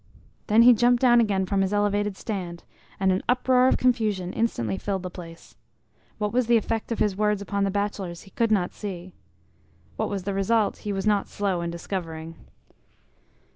Then he jumped down again from his elevated stand, and an uproar of confusion instantly filled the place. What was the effect of his words upon the bachelors he could not see. What was the result he was not slow in discovering.